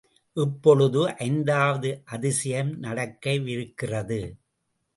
இப்பொழுது ஐந்தாவது அதிசயம் நடக்கவிருக்கிறது.